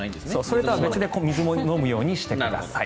それとは別に水も飲むようにしてください。